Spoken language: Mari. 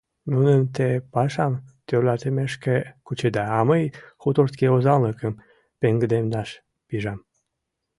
Нуным те пашам тӧрлатымешке кучеда, а мый хуторский озанлыкым пеҥгыдемдаш пижам.